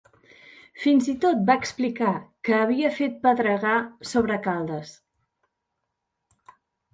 Fins i tot va explicar que havia fet pedregar sobre Caldes.